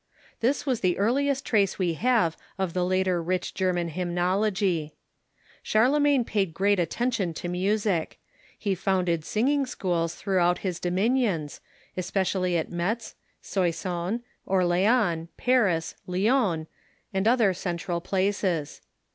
This was the earliest trace we have of the later rich German hymnology. Charlemagne paid great attention to music. He founded singing schools throughout his dominions — especially at Metz, Soissons, Orleans, Paris, Lyons, and other central places.